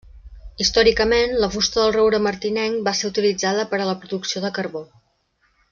Històricament, la fusta del roure martinenc va ser utilitzada per a la producció de carbó.